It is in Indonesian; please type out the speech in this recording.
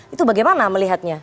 itu bagaimana melihatnya